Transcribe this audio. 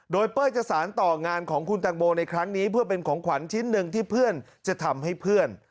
โดยเป้ยจะสารต่องานของคุณตังโมในครั้งนี้เพื่อเป็นของขวัญชิ้นหนึ่งที่เพื่อนจะทำให้เพื่อน